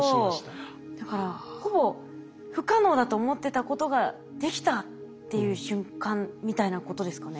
ほぼ不可能だと思ってたことができたっていう瞬間みたいなことですかね？